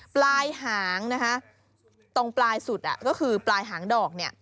ปลายหางนะคะตรงปลายสุดก็คือปลายหางดอกเนี่ย